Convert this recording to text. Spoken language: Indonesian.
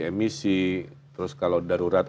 emisi terus kalau darurat